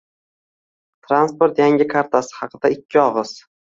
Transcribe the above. Transport Yangi kartasi haqida ikki oƣiz